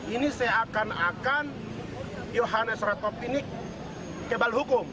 ini saya akan akan yohanes retop ini kebal hukum